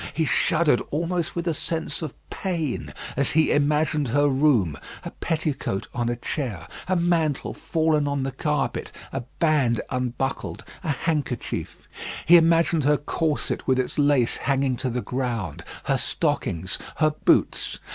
He shuddered almost with a sense of pain as he imagined her room, a petticoat on a chair, a mantle fallen on the carpet, a band unbuckled, a handkerchief. He imagined her corset with its lace hanging to the ground, her stockings, her boots.